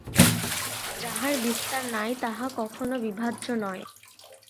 যাহার বিস্তার নাই, তাহা কখনও বিভাজ্য নয়।